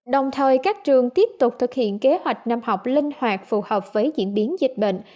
đồng thời các trường tiếp tục thực hiện kế hoạch năm học linh hoạt phù hợp với diễn biến dịch bệnh